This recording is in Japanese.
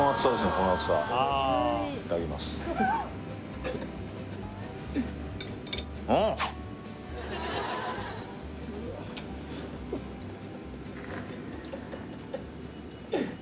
この厚さいただきますあっ！